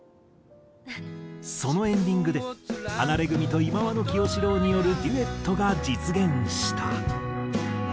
そのエンディングでハナレグミと忌野清志郎によるデュエットが実現した。